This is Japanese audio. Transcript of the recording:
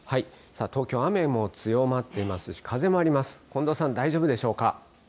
東京、雨も強まっていますし、風もあります。